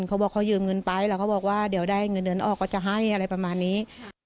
เขาบอกคนจะหยื่มเงินไปเดี๋ยวได้มือเดินออกพอจะให้